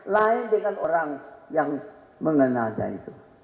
lain dengan orang yang mengenal dan itu